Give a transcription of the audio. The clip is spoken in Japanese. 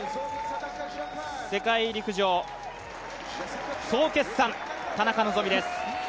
世界陸上、総決算、田中希実です。